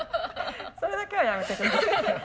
それだけはやめて下さい。